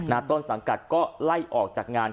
ต้นสังกัดก็ไล่ออกจากงาน